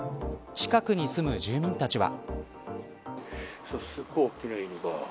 近くに住む住民たちは。